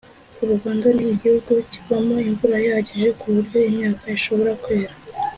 u rwanda ni igihugu kigwamo imvura ihagije, ku buryo imyaka ishobora kwera